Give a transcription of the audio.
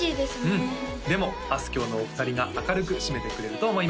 うんでもあすきょうのお二人が明るく締めてくれると思います